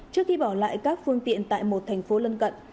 trước khi bỏ lại các phương tiện tại một thành phố lân cận